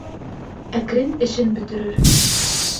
Әкрен эшен бөтөрөр